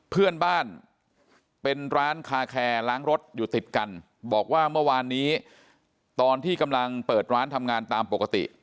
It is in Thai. เพื่อนบ้านเป็นร้านคาแคร์ล้างรถอยู่ติดกันบอกว่าเมื่อวานนี้ตอนที่กำลังเปิดร้านทำงานตามปกติ